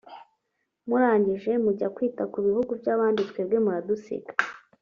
murangije mujya kwita ku bihugu by’abandi twebwe muradusiga